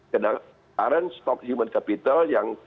sedang current stock human capital yang